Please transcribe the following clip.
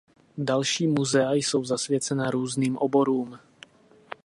Další muzea jsou zasvěcena různým oborům.